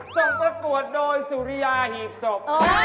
ประกวดโดยสุริยาหีบศพ